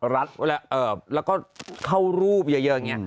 แล้วก็เข้ารูปเยอะ